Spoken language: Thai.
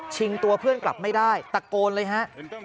ตัวเพื่อนกลับไม่ได้ตะโกนเลยฮะ